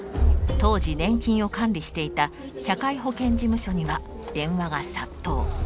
当時年金を管理していた社会保険事務所には電話が殺到。